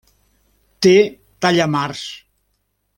Té tallamars.